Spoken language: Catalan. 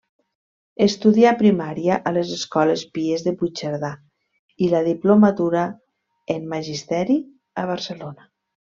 Estudià primària a les Escoles Pies de Puigcerdà i la diplomatura en magisteri a Barcelona.